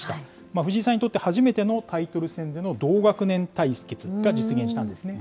藤井さんにとって初めてのタイトル戦での同学年対決が実現したんですね。